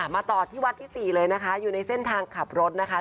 มาต่อที่วัดที่๔เลยนะคะอยู่ในเส้นทางขับรถนะคะ